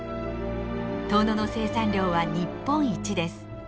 遠野の生産量は日本一です。